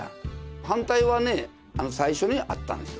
反対は最初にあったんですよ。